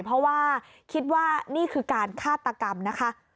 เพราะว่าคิดว่านี่คือการฆาตกรรมนะคะ